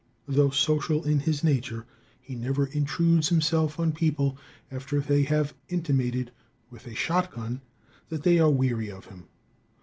Though social in his nature, he never intrudes himself on people after they have intimated with a shotgun that they are weary of him.